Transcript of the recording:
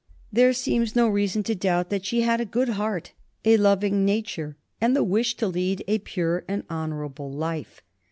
There seems no reason to doubt that she had a good heart, a loving nature, and the wish to lead a pure and honorable life.